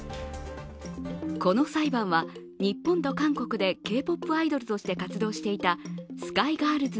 この裁判は、日本と韓国でＫ−ＰＯＰアイドルとして活動していたＳＫＹＧＩＲＬＳ